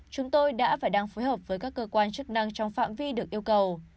chúng tôi đã và đang phối hợp với các cơ quan chức năng trong phạm vi được yêu cầu